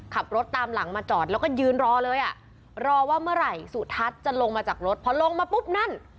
ขับรถตามหลังมาจอดแล้วก็ยืนรอเลยอ่ะรอว่าเมื่อไหร่สุทัศน์จะลงมาจากรถพอลงมาปุ๊บนั่น